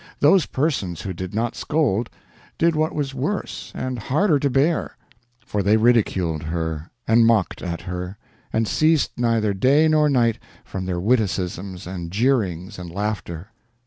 Those persons who did not scold did what was worse and harder to bear; for they ridiculed her, and mocked at her, and ceased neither day nor night from their witticisms and jeerings and laughter.